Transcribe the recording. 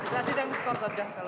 kita sidang skor saja